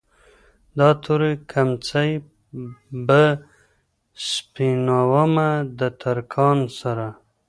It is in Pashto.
دا تورې کمڅۍ به سپينومه د ترکان سره